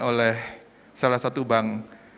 oleh salah satu bank